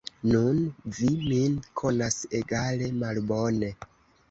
Nun, vi min konas egale malbone.